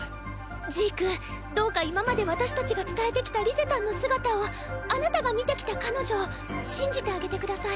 ジークどうか今まで私たちが伝えてきたリゼたんの姿をあなたが見てきた彼女を信じてあげてください。